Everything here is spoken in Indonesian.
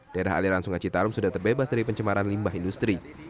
daerah aliran sungai citarum sudah terbebas dari pencemaran limbah industri